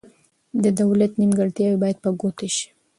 د دولت نیمګړتیاوې باید په ګوته شي.